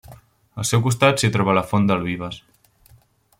Al seu costat s'hi troba la Font del Vives.